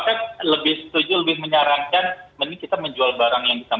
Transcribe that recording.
kalau saya lebih setuju lebih menyarankan